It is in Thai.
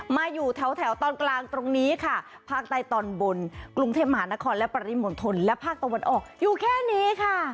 มาอยู่แถวแถวตอนกลางตรงนี้ค่ะภาคใต้ตอนบนกรุงเทพมหานครและปริมณฑลและภาคตะวันออกอยู่แค่นี้ค่ะ